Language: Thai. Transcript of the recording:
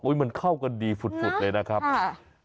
อุ้ยมันเข้ากันดีผุดเลยนะครับนะวะ